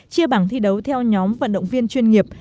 chia bảng thi đấu theo nhóm vận động viên chuyên nghiệp